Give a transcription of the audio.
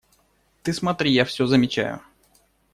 – Ты смотри! Я все замечаю.